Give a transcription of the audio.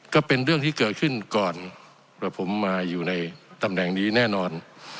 ก็เป็นเรื่องที่เกิดขึ้นก่อนว่าผมมาอยู่ในตำแหน่งนี้แน่นอน